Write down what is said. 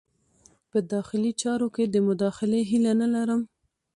په داخلي چارو کې د مداخلې هیله نه لرم.